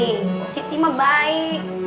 eh positi mah baik